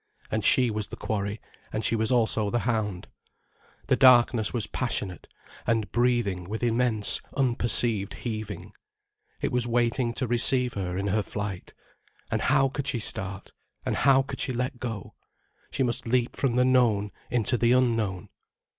And she was the quarry, and she was also the hound. The darkness was passionate and breathing with immense, unperceived heaving. It was waiting to receive her in her flight. And how could she start—and how could she let go? She must leap from the known into the unknown.